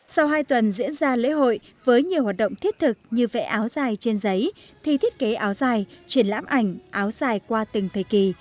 sau hai tuần diễn ra lễ hội với nhiều hoạt động thiết thực như vẽ áo dài trên giấy thi thiết kế áo dài triển lãm ảnh áo dài qua từng thời kỳ